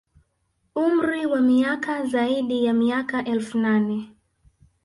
Umri wa miaka zaidi ya miaka elfu nane